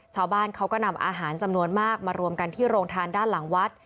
ชาวบ้านเขาก็นำอาหารจำนวนมากมารวมกันที่โรงทานด้านหลังวัด